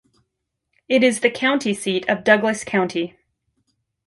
It is the county seat of Douglas County.